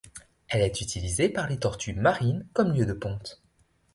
Elle est utilisée par les tortues marines comme lieu de ponte.